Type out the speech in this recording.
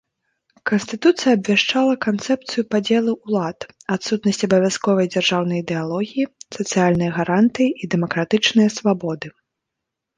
Канстытуцыя абвяшчала канцэпцыю падзелу ўлад, адсутнасць абавязковай дзяржаўнай ідэалогіі, сацыяльныя гарантыі і дэмакратычныя свабоды.